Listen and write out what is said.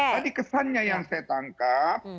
tadi kesannya yang saya tangkap